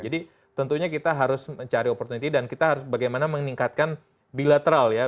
jadi tentunya kita harus mencari opportunity dan kita harus bagaimana meningkatkan bilateral ya